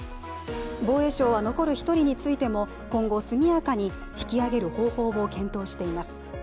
防衛省は残る１人についても今後、速やかに引き揚げる方法を検討しています。